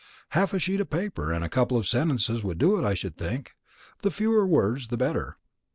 Half a sheet of paper and a couple of sentences would do it, I should think; the fewer words the better."